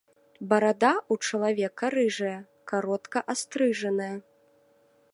Барада ў чалавека рыжая, каротка астрыжаная.